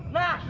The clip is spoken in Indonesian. udah apa mas